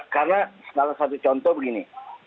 karena salah satu contoh begini